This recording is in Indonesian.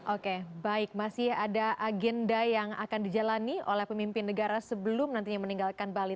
oke baik masih ada agenda yang akan dijalani oleh pemimpin negara sebelum nantinya meninggalkan bali